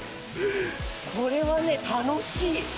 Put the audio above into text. これはね、楽しい。